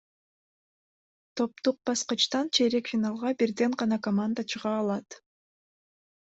Топтук баскычтан чейрек финалга бирден гана команда чыга алат.